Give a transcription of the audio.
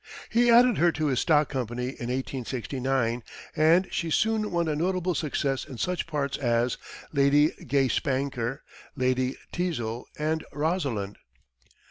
He added her to his stock company in 1869, and she soon won a notable success in such parts as Lady Gay Spanker, Lady Teazle and Rosalind.